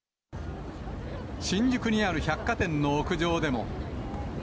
新宿にある百貨店の屋上でも。